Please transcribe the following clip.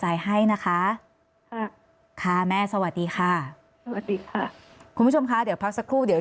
ใจให้นะคะแม่สวัสดีค่ะคุณผู้ชมค่ะเดี๋ยวพักสักครู่เดี๋ยว